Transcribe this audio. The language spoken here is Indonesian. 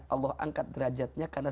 allah angkat derajatnya karena